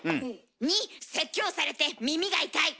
２説教されて耳が痛い。